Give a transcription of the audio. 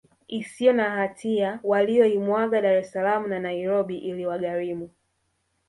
isiyo na hatia waliyoimwaga Dar es Salaam na Nairobi iliwagharimu